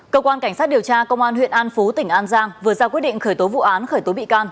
cơ quan cảnh sát điều tra công an huyện an phú tỉnh an giang vừa ra quyết định khởi tố vụ án khởi tố bị can